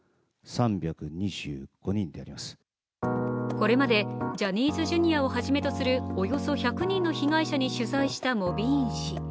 これまでジャニーズＪｒ．をはじめとするおよそ１００人の被害者に取材したモビーン氏。